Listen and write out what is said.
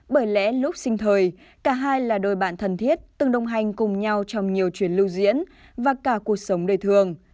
bởi lẽ lúc sinh thời cả hai là đôi bạn thần thiết từng đồng hành